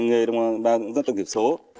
người đồng bào dân tộc hiệp số